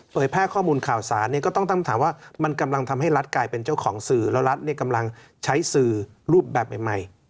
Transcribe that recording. แพร่ข้อมูลข่าวสารเนี่ยก็ต้องตั้งคำถามว่ามันกำลังทำให้รัฐกลายเป็นเจ้าของสื่อแล้วรัฐกำลังใช้สื่อรูปแบบใหม่